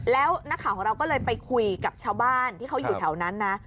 แล้วนักข่าวของเราก็เลยไปคุยกับชาวบ้านที่เขาอยู่แถวนั้นนะ